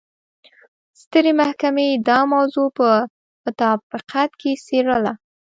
سترې محکمې دا موضوع په مطابقت کې څېړله.